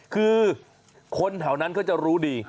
คือคนแถวนั้นเขาจะรู้ดี